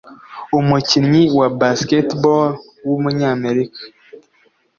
umukinnyi wa basketball w’umunyamerika